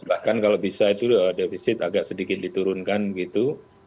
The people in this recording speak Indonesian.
bahkan kalau bisa itu defisit agak sedikit diturunkan gitu